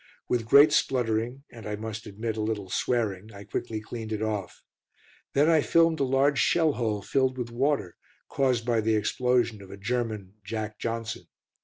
With great spluttering, and I must admit a little swearing, I quickly cleaned it off. Then I filmed a large shell hole filled with water, caused by the explosion of a German "Jack Johnson."